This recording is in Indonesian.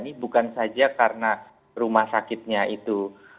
ini bukan saja karena rumah sakitnya itu